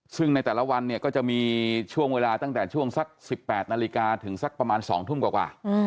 ซึ่งในแต่ละวันเนี่ยก็จะมีช่วงเวลาตั้งแต่ช่วงสัก๑๘นาฬิกาถึงสักประมาณ๒ทุ่มกว่า